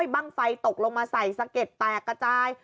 บ้างไฟตกลงมาใส่สะเก็ดแตกกระจาย